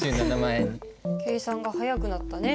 計算が速くなったね。